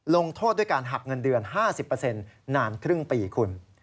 โทษด้วยการหักเงินเดือน๕๐นานครึ่งปีคุณ